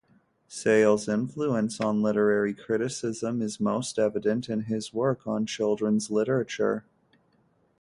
Sale's influence on literary criticism is most evident in his work on children's literature.